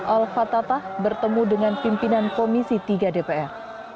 al fatatah bertemu dengan pimpinan komisi tiga dpr